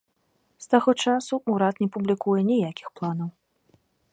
З таго часу ўрад не публікуе ніякіх планаў.